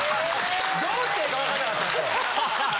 どうしてええか分かんなかったんですよ。